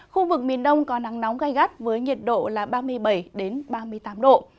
khu vực miền đông có nắng nóng gai gắt với nhiệt độ là ba mươi bảy ba mươi tám độ